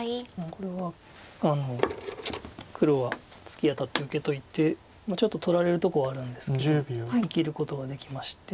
これは黒はツキアタって受けておいてちょっと取られるとこはあるんですけど生きることはできまして。